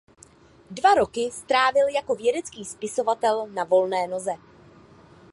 Dva roky strávil jako vědecký spisovatel na volné noze.